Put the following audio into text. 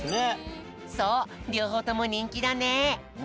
そうりょうほうともにんきだね。